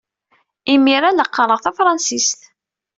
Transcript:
Imir-a, la qqareɣ tafṛensist.